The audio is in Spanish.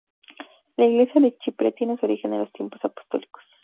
La Iglesia de Chipre tiene su origen en los tiempos apostólicos.